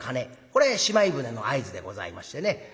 これしまい舟の合図でございましてね